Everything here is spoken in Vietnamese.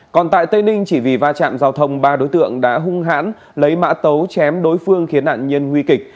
còn tại tây ninh chỉ vì va chạm giao thông ba đối tượng đã hung hãn lấy mã tấu chém đối phương khiến nạn nhân nguy kịch